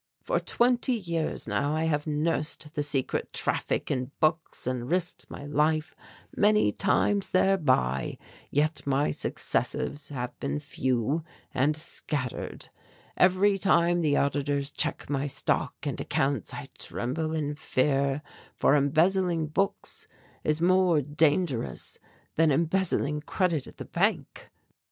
For twenty years now I have nursed the secret traffic in books and risked my life many times thereby, yet my successes have been few and scattered. Every time the auditors check my stock and accounts I tremble in fear, for embezzling books is more dangerous than embezzling credit at the bank."